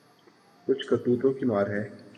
کچھ کرتوتوں کی مار ہے۔